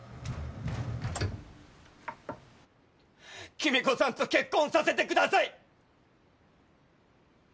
「喜美子さんと結婚させてください！」